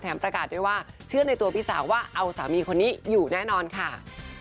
ประกาศด้วยว่าเชื่อในตัวพี่สาวว่าเอาสามีคนนี้อยู่แน่นอนค่ะ